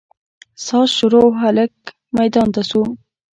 ساز شروع او هلک ميدان ته سو.